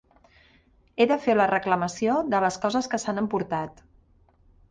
He de fer la reclamació de les coses que s'han emportat.